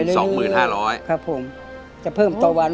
สวัสดีครับ